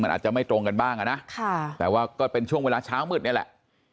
อาจจะไม่ตรงกันบ้างอ่ะนะแต่ว่าก็เป็นช่วงเวลาเช้ามืดนี่แหละ